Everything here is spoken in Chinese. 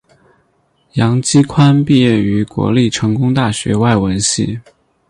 杨基宽毕业于国立成功大学外文系。